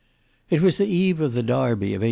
It was the eve of the Derby of 1837.